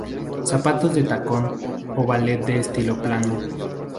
Zapatos de tacón o ballet de estilo plano.